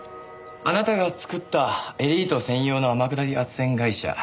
あなたが作ったエリート専用の天下り斡旋会社。